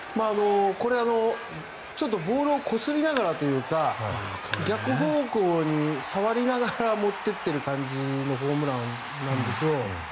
これ、ちょっとボールをこすりながらというか逆方向に触りながら持っていっている感じのホームランなんです。